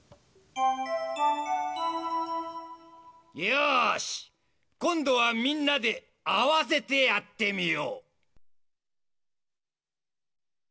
よしこんどはみんなであわせてやってみよう。